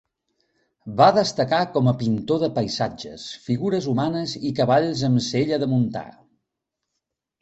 Va destacar com a pintor de paisatges, figures humanes i cavalls amb sella de muntar.